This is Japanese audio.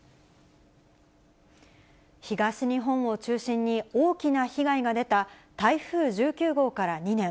東日本を中心に大きな被害が出た台風１９号から２年。